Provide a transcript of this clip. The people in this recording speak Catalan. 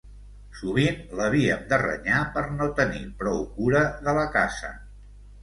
Sovint l’havíem de renyar per no tenir prou cura de la casa.